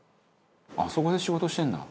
「あそこで仕事してるんだ」